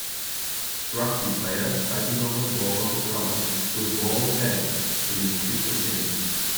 Rugby players fighting over the ball on the ground with bald heads in an official game.